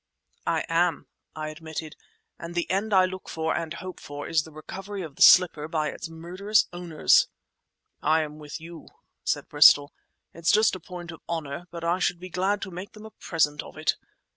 "I am," I admitted, "and the end I look for and hope for is the recovery of the slipper by its murderous owners!" "I am with you," said Bristol. "It's just a point of honour; but I should be glad to make them a present of it.